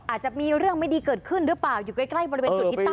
อาจจะมีเรื่องไม่ดีเกิดขึ้นหรือเปล่าอยู่ใกล้บริเวณจุดที่ตั้ง